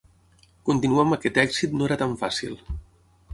Continuar amb aquest èxit no era tan fàcil.